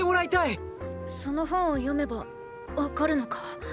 その本を読めばわかるのか？